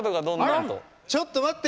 あっちょっと待って！